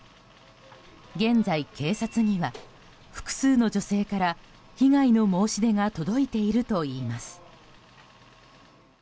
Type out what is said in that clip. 現在、警察には複数の女性から被害の申し出が届いているといいます。